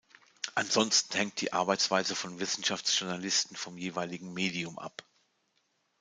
Ansonsten hängt die Arbeitsweise von Wissenschaftsjournalisten vom jeweiligen Medium ab.